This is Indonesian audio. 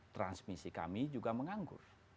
transmisi kami juga menganggur